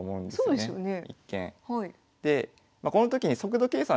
そうですね。